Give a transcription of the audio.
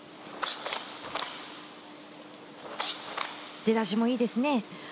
出だしもいいですね。